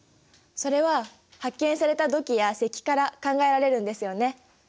それは発見された土器や石器から考えられるんですよね？